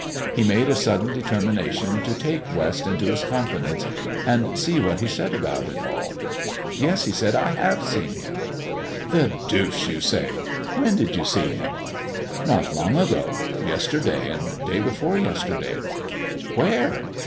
He made a sudden determination to take West into his confidence and see what he said about it all. "Yes," he said, "I have seen Him." "The deuce you say! When did you see Him?" "Not long ago. Yesterday and day before yesterday." "Where?"